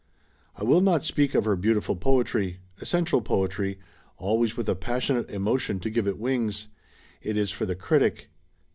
I will not speak of her beautiful poetry, essential poetry, always with a passionate emotion to give it wings. It is for the critic.